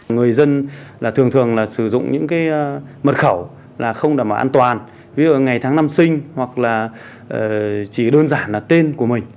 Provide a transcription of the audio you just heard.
người dân thường thường sử dụng những mật khẩu không đảm bảo an toàn ví dụ ngày tháng năm sinh hoặc là chỉ đơn giản là tên của mình